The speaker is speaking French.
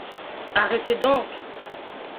Arrête donc !